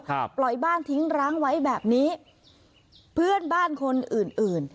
ปล่อยบ้านทิ้งร้างไว้แบบนี้เพื่อนบ้านคนอื่นอื่น